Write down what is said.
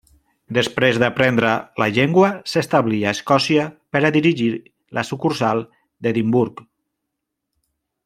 Després d'aprendre la llengua s'establí a Escòcia per a dirigir la sucursal d'Edimburg.